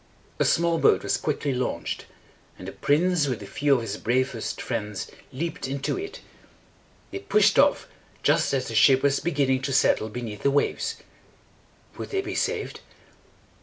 A small boat was quickly launched, and the prince with a few of his bravest friends leaped into it. They pushed off just as the ship was be gin ning to settle beneath the waves. Would they be saved?